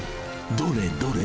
どれどれ？